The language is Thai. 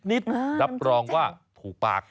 รับรองว่าถูกปาก